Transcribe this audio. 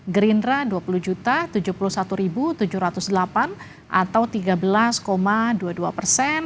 gerindra dua puluh tujuh puluh satu tujuh ratus delapan atau tiga belas dua puluh dua persen